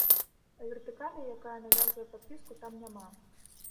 А вертыкалі, якая навязвае падпіску, там няма.